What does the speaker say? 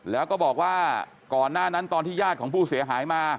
แล้วก็บอกว่าก่อนหน้านั้นตอนที่ญาติของผู้เสียหายมา